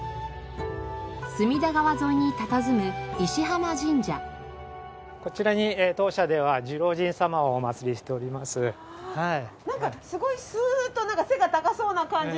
隅田川沿いにたたずむこちらに当社ではなんかすごいスッと背が高そうな感じの。